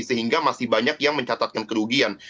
sehingga masih banyak yang mencatatkan kerugian